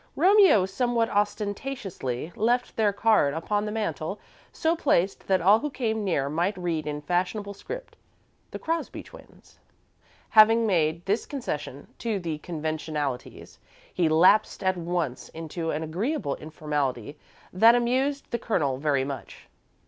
Romeo somewhat ostentatiously left their card upon the mantel, so placed that all who came near might read in fashionable script: "The Crosby Twins." Having made this concession to the conventionalities, he lapsed at once into an agreeable informality that amused the Colonel very much.